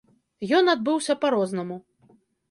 Ён адбыўся па рознаму.